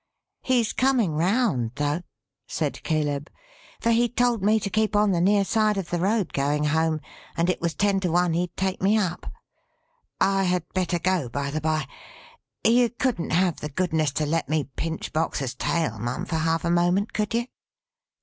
"He's coming round though," said Caleb; "for he told me to keep on the near side of the road going home, and it was ten to one he'd take me up. I had better go, by the bye. You couldn't have the goodness to let me pinch Boxer's tail, Mum, for half a moment, could you?"